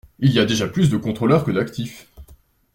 Il y a déjà plus de contrôleurs que d’actifs.